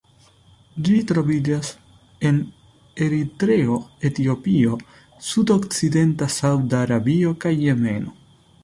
Ĝi troviĝas en Eritreo, Etiopio, sudokcidenta Sauda Arabio kaj Jemeno.